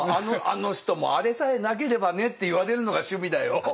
「あの人もあれさえなければね」って言われるのが趣味だよ。